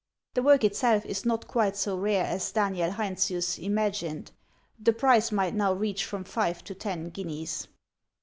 The work itself is not quite so rare as Daniel Heinsius imagined; the price might now reach from five to ten guineas.